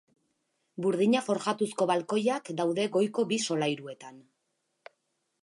Burdina forjatuzko balkoiak daude goiko bi solairuetan.